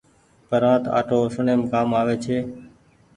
پرانت آٽو اُسڻيم ڪآم آوي ڇي۔